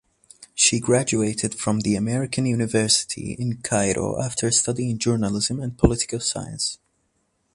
She graduated from The American University in Cairo after studying journalism and political science.